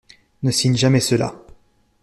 Ne signe jamais cela.